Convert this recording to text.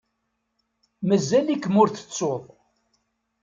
Mazal-ikem ur tettuḍ.